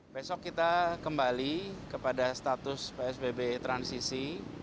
besok kita kembali kepada status psbb transisi